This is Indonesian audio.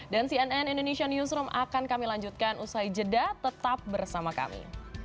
dan cnn indonesian newsroom akan kami lanjutkan usai jeda tetap bersama kami